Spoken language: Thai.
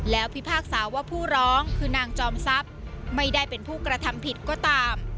แล้วพิพากษาว่าผู้ร้องคือนางจอมทรัพย์ไม่ได้เป็นผู้กระทำผิดก็ตาม